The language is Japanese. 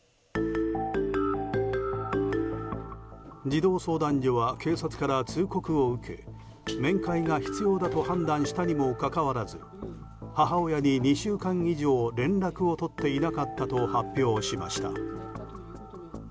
児童相談所は警察から通告を受け面会が必要だと判断したにもかかわらず母親に２週間以上連絡を取っていなかったと発表しました。